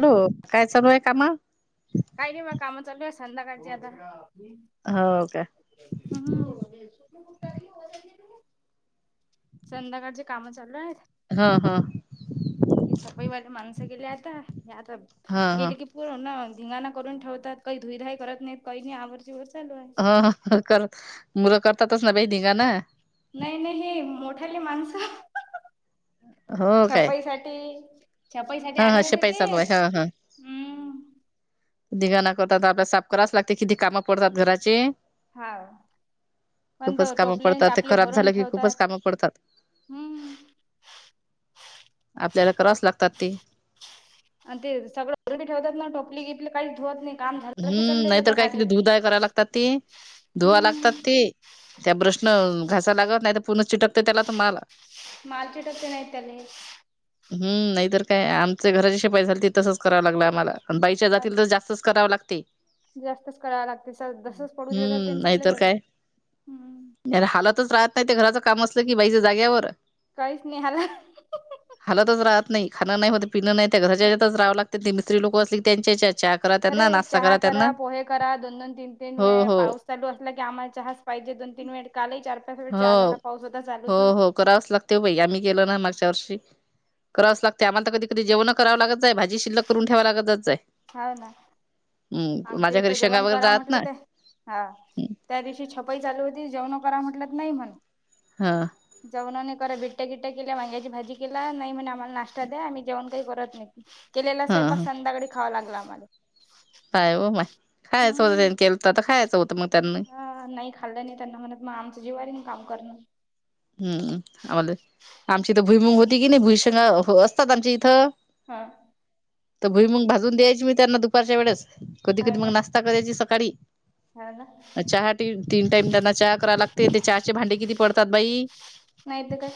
Hello काय चालू आहे कामा? काय नाही बा कामं चालू आहे संध्याकाळची आता हो का? हो [unintelligible] संध्याकाळची कामं चालू आहेत. हा हा. हे छपाईवाले माणसं गेले आता, आता ह ह गेली की ना धिंगाणा करून ठेवतात काही धुईधाय करत नाहीत काही नाही आवर जेवर चालू आहे कर मुलं करतातच ना बाई धिंगाणा नाही नाही हे मोठाली माणसं हो काय छपाईसाठी छपाईसाठी ह ह आले होते शिपाई ते चालू आहे ह ह हम्म धिंगाणा करतात आपल्या साफ कराच लागते किती काम पडतात घराचे हा. प खूपच कामं टोपले अन पडतात ते टापले खराब भरून झालं की ठेवतात खूपच कामं पडतात हम्म आपल्याला करावाच लागतात ते आणि ते सगळ [unintelligible] ठेवतात ना टोपली गिपली काहीचं धुवंत नाही काम झालं की हम्म चालले नाहीतर जातात काय हात कती झटकून. धुधाय कराय लागतात ती धुवा लागतात हम्म ती त्या ब्रशनं घासाय लागत नाही तर पुर्ण चिटकते त्याला तो माल माल चिटकते नाही त्याले हम् नाहीतर काय आमच्या घरात छपाई झालती तसच करावं लागलं आम्हाला बाईच्या हा जातील ना. तर जास्तच करावं लागत. जास्तच करायला लागते जसच पडू दिलं तर तेन हम्म चाले जातात हम्म. हालातच राहत नाही ते घराचं काम असलं की बाईच जाग्यावर काहीच नाही हाल हालातच राहत नाही खाणं नाही होत पिणं नाही त्या घराच्यातच रहावं लागते ते मिस्त्री लोक असली त्यांच्या चहा करा अरे त्यांना नाश चहा करा, पोहे करा, दोन- दोन, तीन- तीन हो वेळ हो पाऊस चालू असलं की आआम्हाला चहाच पाहिजे दोन तीन वेड कालही चार पाच वेळ चहा झाला पाऊस होता चालू तर करावाच लागते बाई आम्ही गेलो ना मागच्या वर्षी करावं लागते आमाला तर कधी कधी जेवण करावं लागजाय आहे भाजी शिल्लक करून ठेवा लागतजाय आहे हा ना आमच घरी इथं शेंगा जेवण वगैरे करा राहत म्हटलं ना ते हा त्या दिवशी छपाई चालू होती जेवणं करा म्हटलत नाही म्हण हा. जेवणाने करा बिट्टया बिट्टया केल्या वांग्याची भाजी केला नाही म्हणे आम्हाला नाश्ता द्या आम्ही जेवण काही करत नाही केलेला हा स्वयंपाक हा संध्याकाडी खावां लागलं आम्हाला काय हो माय खायचं होतं हम्म त्यांनी केलं तर तर खायचं होतं मग त्यांना हा नाही खाल्लं नाही त्यांना म्हणत मग आमच जीवारी काम करणं हम् आम्हाला आमची इथं भुईमंग होती कि नाही भुईशंग असतात आमची इथं हा तर भुईमूग भाजून द्यायची मी त्यांना दुपारच्या वेळेस कधी हा कधी मग ना नाश्ता करायची सकाळी हा ना चहा टी तीन टाईम त्यांना चहा करावे लागते ते चहाचे भांडे किती पडतात बाई नाहीतर काय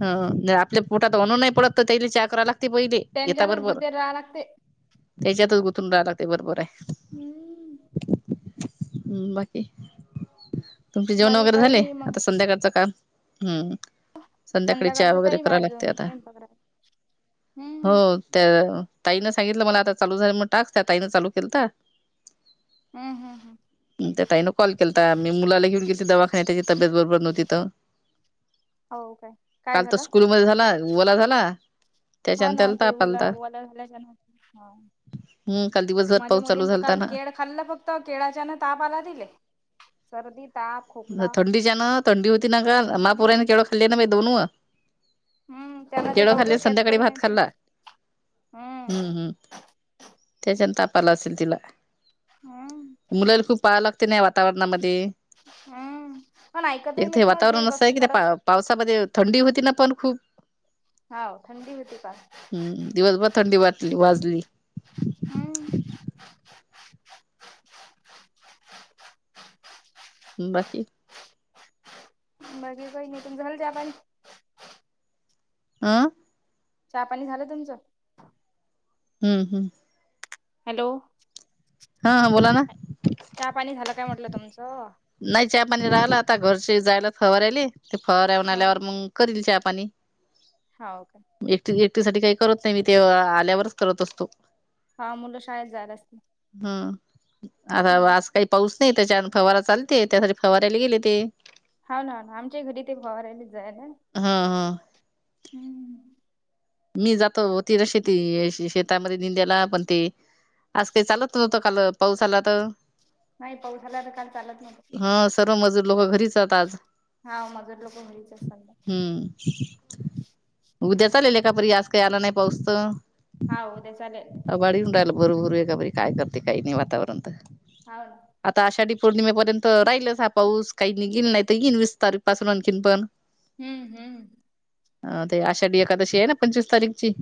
ह आपल्या पोटात अन्न नाही पडतं तैली चा करावि लागते पहिले येता त्यांच्यातच बरोबर गुतेर राहाव लागते. त्याच्यातच गुथून राय लागते बरोबर आहे हम्म हम्म बाकी तुमचे जेवण वगैरे झाले आता संध्याकाळचं काम हम्म संध्याकाळी चहा संध्याकाळचं वगैरे टाईम आहे कराव लागते अजून आता स्यंपाक कराय हम्म हो त्या ताईन सांगितलं मला आता चालू झालं म्हणून टास्क त्या ताईनं चालू केलतं हम् हम् हम त्या ताईनं कॉल केलता तर मी मुला घेऊन गेलती दवाखाण्यात त्याची तब्येत बरोबर नव्हती तर हो काय काय काल तर झालं स्कूल मध्ये झाला ओला झाला हा त्याच्यान ना त्याला ते ताप ओला आलता वला झाल्याच्या ना हम काल दिवसभर माझ्या पाऊस चालू मुलीन तर झाला काल केळ खाल्ल फक्त केळाच्यान ताप आला त सर्दी, ताप खोकला थंडीच्या ना थंडी होती ना का महापुरा हम्म केवळं खाल्ली ना दोन व हम्म त्यांना ते केडं लवकर खाल्ले कॅच संध्याकाळी करून भात येते खाल्ला. हम्म हम्म त्याच्यान तापाला असेल तिला. हा. मुलाला खूप पाहावं लागते नाही वातावरणामध्ये. हम्म पण ऐकतही नाहीत ना जी वस्तू खतच त्यामध्ये थंडी होती ना पण खूप होा थंडी होती का हम्म दिवसभर थंडी वाटली वाजली. हम्म. बाकी. बाकीे का मी तुून झालं त्या प [inaudible] चहापाणी झालं तुमचं हम्म हम् हॅलो! हा हा बोला ना चहा पाणी झालं काय म्हटलं तुमचं नाही चहा पाणी राहिला आता घरचे जायला फवारयले ते फवारान आल्यावर मग करील चहापाणी. हा का. एकट एकटी साठी काही करत नाही मी ते आल्यावरच करत असतो. हा मुलं शाळेत जाणार असते. हम्म आता आज काही पाऊस नाही त्याच्यान फवारा चाल. ते त्यासाठी फवारायला गेले ते हा ना ना आम घरी ते भोवारहिलेच जाय ना हा हा. हम्म. मी जातोतीि तर शेती शेतामध्ये निंद्याला पण ते आज काही चालत नव्हतं काल पाऊस आला तर नाही पाऊस आला तर काल चालत नव्हतं हा सर्व मजूर लोक घरीच आात आज हाव मजूर लोक घरीच असतात हम्म. उद्या चाललेल आहे का परी आज काही याला नाही पाहोचत. हा उद्या चालेल. बाळीऊन राहिला भरभरू एका बरी काय करते काही नाही वातावरण तर हान. आता आषाढी पौर्णिमेपर्यंत राहिलच हा पाऊस काही निघ गेला नाही तर येईन वीस तारीख पासून आणखीन पण. हम्म हम्म. अ ते आषाढी एखादशी आहे ना पंचवीस तारीखची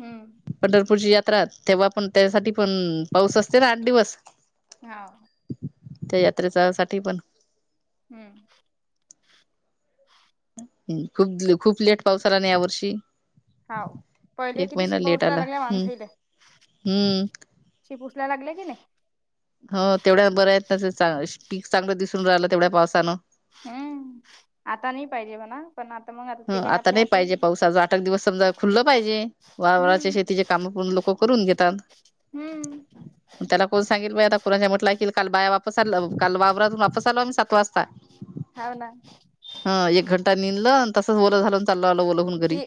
हम्म. पंढरपूरची यात्रा तेव्हा पण त्यासाठी पण पाऊस असते ना आठ दिवस. हा. त्या यात्रेचा साठी पण हम्म. खूप खूप लेट पावसा आला नाही या वर्षी हा पहिले किती शिपा उचला आला लागल्या हम्म माांजईला. हम्म शि पुोसयला लागल्या की नाही. हो तेवढ्या बऱ्या आहेत ना ते पीक चांगलं दिसून राहिलं तेवढ्या पावसानं हम्म आता नाही पाहिजे मणा ह आता नाही पाहिजे पावसा ज आठ एक दिवस समजा खुल्लं पाहिजे वारवारचे हम्म शेतीचे काम पण लोक. करून घेतात. हम्म. त्याला कोण सांगेल बा आता कुणाच्या म्हटलं क काल बाया वापस आ काल वावरातून वापस आलो आम्ही सात वाजता. हव ना. ह एक घंटा निलं तसच बओलं झालं चालला बलत. इ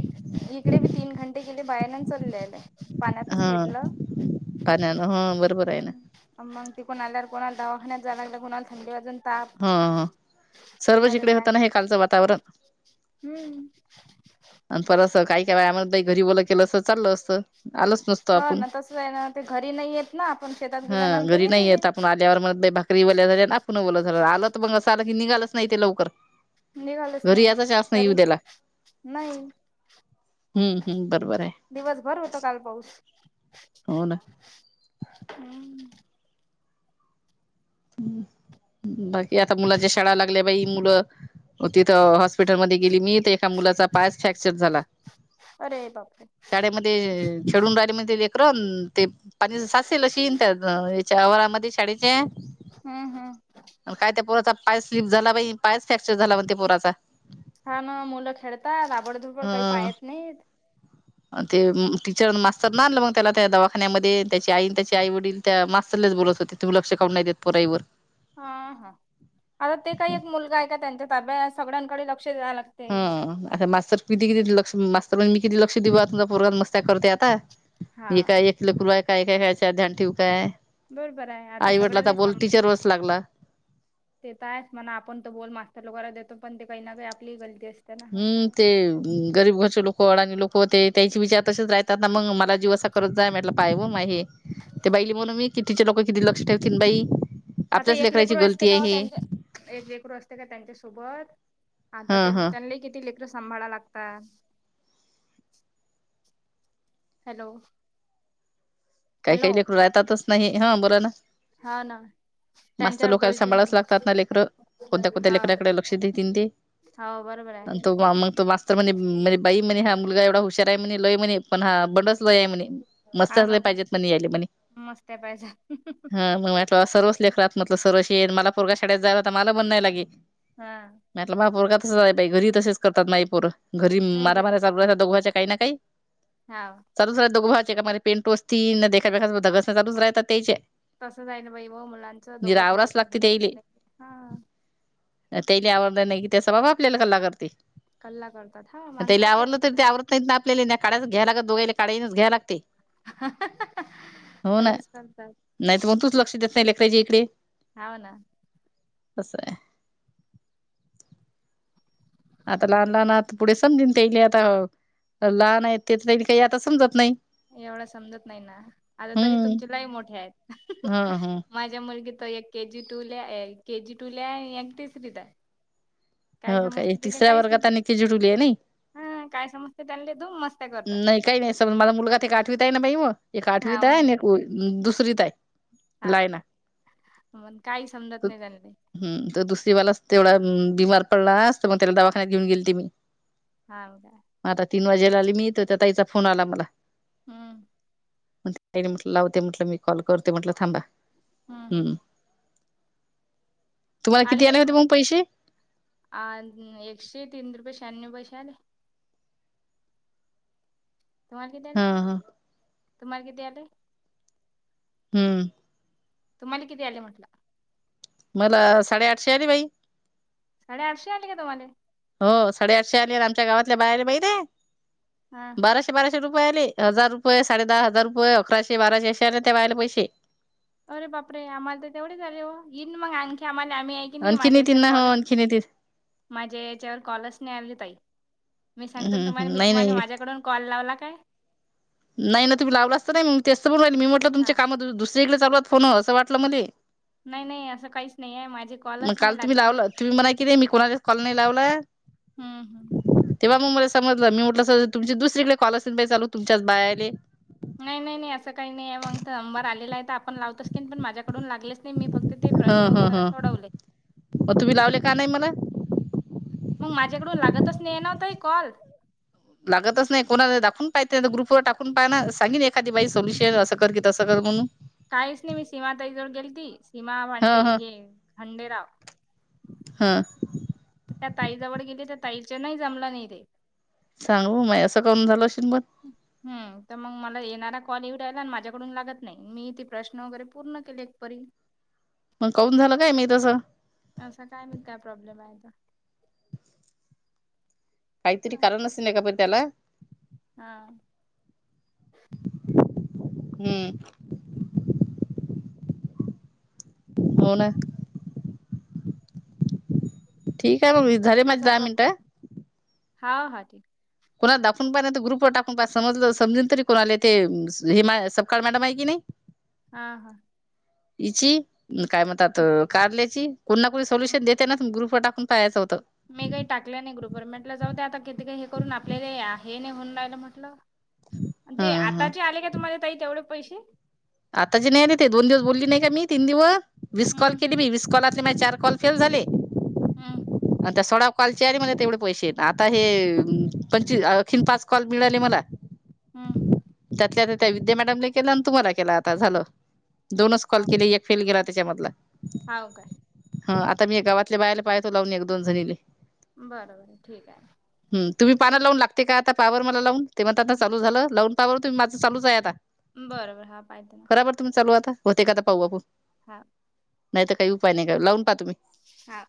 इकडे बी तीन घंटे गेले बाहेर ना चाललेले. पाण्यातच हा निधलं पाण्यानं ह बरोबर आहे ना हम्म. मग तिकून आल्यावर कोणाला दवाखान्यात जायलाला कोणा थंडी वाजून. ताप हा सर्वच कोणाल इकडे काय. होता ना हे कालचं वातावरण. हम्म. आणि पर असं काही काय वम घरी बोललं केलं असं चाललं असतं. आलोच नसतो हा आपण ना तस आहे ना ते घरी नाही येत ना आपण शेतात हा घरी गेल्यानंतरही नाही तेथे. येत आपण भाकरी ओल्या झाली ना आपु झालं आलं तर मग असं आलं की निघालच नाही ते लवकर. निघालच घरी नाही याचा चान्स नाही घरी येऊ द्याला नाही. हम्म हम्म बरोबर आहे. दिवसभर होत काल पाऊस. हो ना. हम्म. ह बाकी आता मुलाच्या शाळाला लागले बाई मुलं. तिथं हॉस्पिटल मध्ये गेली मी तर एका मुलाचा पायच फ्रॅक्चर झाला. अरे बापरे. शाळेमध्ये छडून राहिले म लेकरन ते. पाण सासेल शन त्या याच्यावरामध्ये शाळेचे. हम्म हम्म. काय त्या पुोराचा पायस स्लीप झाला पाहि पायस फ्रॅक्चर झाला म्हण त्या पोराचा. हा ना मुलं खेळतात आबडधोबड काही हं पायत नाहीत. ते टीचर मास्तर नाही आणलं मग त्याला त्या दवाखान्यामध्ये त्याची आई त्याचे आई वडील. त्या मास्रलेच बोलत होते तुम्ही लक्ष काहुन नाही देत पराईवर. हा हा आता ते काही एक मुलगा आहे का त्यांच्या ताब्यात सगळ्यांकडे लक्ष द्यायला. हा अ मास्तर किती किती लक्ष मास्तर म्हण मी किती लक्ष देऊ तु पोगात मस्त्या करतेय आता. हा मी काय एक किलपूरवा आहे काय एकय याच्यात ध्यान ठेव काय. बरोबर आहे आता आईवडलाचा सगळ्यांना बोल सामान टीचर वच लागला. ते तर आहेच म्हणा आपण त बोल मास्तर लगैयला देतो पण ते काही ना काही आपली गलती असते. ना असं हम् आहे ते गरीब घरचे लोक अडाणी लोक होते त्याचे विचार तसेच राहतात ना मग म. ला जीवसा करत जाय म्हटलं पाय व म हे ते बईली म्हणून मी कितीचे लोक किती लक्ष ठेवतील बाई. असं आपल्याच एक लेकराची लेकड असते गलती आहे कावा हे त्यांच. एक लेकरु असते का त्यांच्यासोबत ह आता ह त्याच्याले किती ले. र सांभाळा लागता. हॅलो. काही हॅलो काही लेकरु राहतातच नाही हा बरं ना. हां ना. मस्त त्यांच्यावर लोकांला दोष देऊन सांभाळाच लागतात ना लेकरं कोणत्या कोणत्या हा लेकराकडे लक्ष देतीलन ते. हो बरोबर आणि आहे तो मग तो मास्तर. तर म्हणे म्हणजे बाई म्हणे हा मुलगा एवढा हुशार आहेणे लय म्हणे पण हा बंडच लय आहे म्हणे. हा मस्तच ना लय ब पाहिजेत म्हणे यायले म्हणे मस्त पाहिजे. हा मग म्हटलं सर्वच लेखलात म्हटलं सर्वशी येेत मला परगा शाळेत जाय होता मला ब नाही लागे. हा. म्हटलं माग पोरग तसय घरी तसेच करतात माई पोर घरी नाही मारा तर मार्या चाल दोघ्याच्या काही ना काही. हा. चाूच रा दोघ भावांचे एकमेकाला पेंटोस् देखा चाूच राहता तेच. तसं जाईल बाई व मुलांचं दोघत होऊ लागते घरात असते हा. तेनी आवडलं नाही की त्यासं बाबा आपल्याला कल लागत नाही. कल्ला करतात हा माणसा आपल्या असताना. आपल्या कायच घ्या लागत दोघाला काा्यानच घ्या लागते. [unintelligible] हो ना करतात नाही तर मग तूच लक्ष देत नाही लेखराजे इकडे. हाव ना तंस आहे. आता लहान लहान आ पुढे समजेन तेले आता लहान आहेत तेच काही आता समजत नाही‌. एवढा समजत नाही ना, आता तरी हम्म तुमचे लाई मोठे आहेत. ह ह माझ्या मुलगी त एक के जी टू ला केजी टू ला एक तिसरी त आहे. काय हो समजते तले तिसऱ्या कायच वर्गात आणि ती जुडुली आहे नाही. ह काय समजते त्या दो मस्त नाही काही नाही समज माझा मुलगा एक आठवीत आहे ना बाई, मग एक आठवीत हा आहे आणि एक दुसरीत आहे. हो लायना का मग काही समजत नाही त्यां नाही. हम् तर दुसरी वालाच तेवढा बीमार पडला असत मग त्याला दवाखान्यात घेऊन गेल त मी. हा का. आता तीन वाजेला आली मी इ त त्या ताईचा फोन आला मला. हम्म! ई म्हटलं लावते म्हटलं मी कॉल करते म्हटलं थांबा. हम्! हम्म आले का तुम अ एकशे तीन रुपये शहाण्णव पैसे आले. तुम्हा किती आले, हा हा तुम्हाला किती आले. हम्म! तुम्हाला किती आले म्हटलं. मला साडेआठशे आली बाई. साडेआठशे आली का तुम्हाले‌. हो साडेआठशे आली आमच्या गावातल्या बायाला माहित आहे. हा. बाराशे, बाराशे रुपये आले, हजार रुपये, साडे दहा हजार रुये, अकराशे, बाराशे आशिया आले त्या बायाला पैसे. अरे बाप रे! आम्हाला तर तेवढे झाले हो येईन मग आणखी आम्हाला आम्ही की नाही आणखीन माझ्या येतील याच्यावर ना कॉल हो आणखीन येतील माझ्या याच्यावर कॉलस नाही आली ताई. मी सांगतो तुम्हाला हम्म मी नाही तुम्हाला नाही माझ्याकडून कॉल लावला काय. नाही ना तुम्ही लावला असत नाही मग, तेस्त पण राहिल मी म्हटलं तुमच्या हा कामात दुसरीकडे चालू आहेत फोन असं वाटलं मले. नाही नाही असं काहीच नाही आहे माझे मग कॉलच काल नाही तुम्ही लागले ना लावलं, तुम्ही म्हणा क नाही मी कोणाला कॉल नाही लावलाय. हा‌.. तेव्हा मग मला समजलं मी म्हटलं सर तुमची दुसरीकडे कॉल असल बाई चालू तुमच बायले. नाही नाही नाही, असं काही नाही आहे मग तर नंबर आलेला आहे तर, आपण लावतोच की पण माझ्याकडून लागलेच नाही मी फक्त ते प्रश्न हं हं उत्तर हं सोडवले. मग तुम्ही लावले का नाही मला मग माझ्याकडून लागतच नाही ना ताई ते कॉल. लागतच नाही कोणा दाखवून पाह ग्रुपवर टाकून पा ना सांगेन एखादी बाई सोल्युशन असं कर की तं कर म्हणून. काहीच नाही मी सीमा ताईजवळ गेल तीसीमा भांडे हं हं हे खांडेराव. हा. त्या ताईजवळ गेले त्या ताईच्या नाही जमला नाही ते. सांग म असं करून झालं असेल मग, हम तर मग मला येणारा कॉल एवढा आला माझ्याकडून लागत नाही. मी ते प्रश्न वगैरे पूर्ण केले एक परी. मग कौन झालं काय मी तसं. असं काय मी काय प्रॉब्लेम आहेता. काहीतरी करा नसेे नाही का पण त्याला. हा. हम्म! होना ठीक आहे ममी असा प्रॉब् हा हा ठीक. कोणाला दाखवून पाहि तर ग्रुप ववर टाकून पा समज समजून तरी कोणाला ते हे सपकाळ मॅडम आहे की नाही. हा हा हची काय म्हणतात हं, कारल्याची कोणीणा कोणी हं. सोल्युशन देत ना म ग्रुप टाकून. पहायचं होतं. मी काही टाकल्या नाही ग्रुपवर म्हटलं जाऊ दे आता किती काही हे करून आपल्याला हे नाही होऊन राहिलं म्हटलं. ते हं हं आताचे आले का तुम्हाला ताई तेवढे पैसे. आता ज नाही नाही ते दोन दिवस बोलली नाही का मी तीन दिवस वीस कॉल हम्म केली हम्म मी वीस कॉलरले मी चार कॉल. फेल झाले. हम आणि त्या सोळा कॉलचे आले मला तेवढे पैसे आता हे पंचवी अखीन पाच कॉल मिळाले मला. हम् हम विद्या मॅडम के तुम्हाला केला आता झालं दोनच कॉल केले. फेल गेला त्याच्यामधला. हो का हा आता मी गावातल्या बायला पाहतो लावून एक दोन जणीले बर बर ठीक आहे हम तुम्ही पाना लावून लागते का आता पावर मला लावून ते म्हण आता चालू झालं लावून का बर माझं चालच आहे आता. बरं बरं हा पाहित ना. बराबर तुम् चालू आताते का आ पाहू आपुन. हा नाही तर काही उपाय नाही लावून पाहा तुम्ही. हा